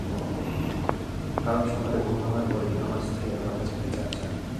কারণ সকালে ঘুম ভাঙার পরই আমার স্ত্রী আমার কাছে বিচার চায়।